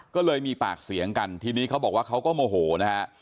ก็เลยมีปากเสียงกันทีนี้เขาบอกว่าเขาก็โมโหนะฮะ